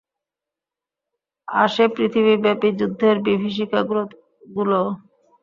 আসে পৃথিবীব্যাপী যুদ্ধের বিভীষিকাগুলোও।